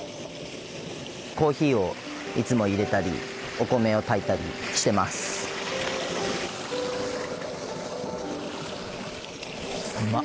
コーヒーをいつもいれたりお米を炊いたりしてます。